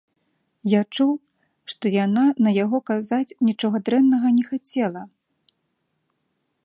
Я чуў, што яна на яго казаць нічога дрэннага не хацела.